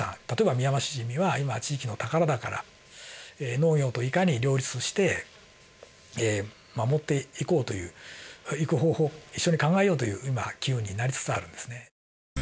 例えばミヤマシジミは今地域の宝だから農業といかに両立をして守っていこうといういく方法を一緒に考えようという今機運になりつつあるんですね。